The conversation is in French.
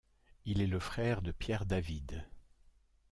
Il est le frère de Pierre David.